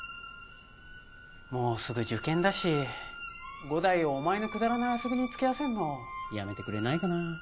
もうすぐ受験だし伍代をお前のくだらない遊びに付き合わせんのやめてくれないかな